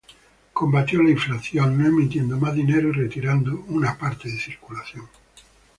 Combatió la inflación, no emitiendo más dinero y retirando una parte de circulación.